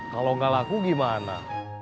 kalau gak laku gimana